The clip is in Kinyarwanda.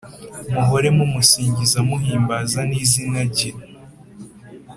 muhore mumusingiza muhimbaza n izina rye